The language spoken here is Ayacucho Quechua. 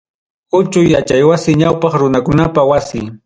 Uchuy yachay wasi, Ñawpaq runakunapa wasi.